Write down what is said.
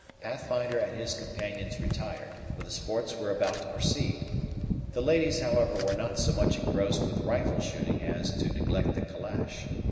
Pathfinder and his companions retired, for the sports were about to proceed. The ladies, however, were not so much engrossed with rifle shooting as to neglect the calash.